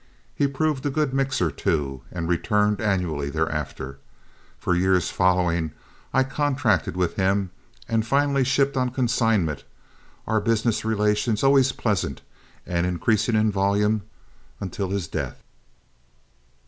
He proved a good mixer, too, and returned annually thereafter. For years following I contracted with him, and finally shipped on consignment, our business relations always pleasant and increasing in volume until his death.